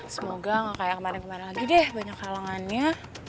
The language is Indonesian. semoga gak kayak kemarin kemarin lagi deh banyak halangannya